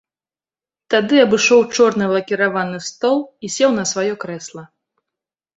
Тады абышоў чорны лакіраваны стол і сеў на сваё крэсла.